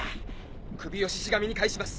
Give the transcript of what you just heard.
首をシシ神に返します